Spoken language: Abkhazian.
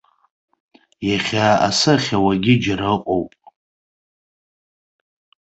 Иахьа асы ахьауагьы џьара ыҟоуп.